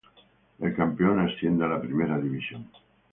El campeón asciende a la primera división.